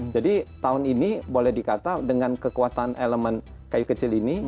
jadi tahun ini boleh dikatakan dengan kekuatan elemen kayu kecil ini